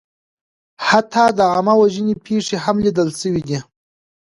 حتی د عامهوژنې پېښې هم لیدل شوې دي.